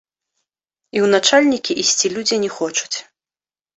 І ў начальнікі ісці людзі не хочуць.